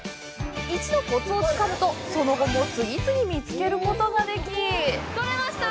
一度コツをつかむとその後も次々見つけることができ取れました！